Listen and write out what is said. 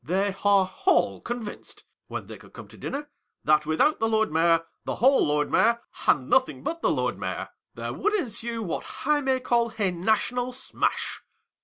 " They are all convinced (when they come to dinner) that without the Lord Mayor, the whole Lord Mayor, and nothing but the Lord Mayor, there would ensue what I may call a national smash.